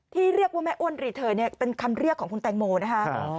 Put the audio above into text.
ที่เรียกว่าแม่อ้วนรีเทิร์นเนี่ยเป็นคำเรียกของคุณแตงโมนะคะ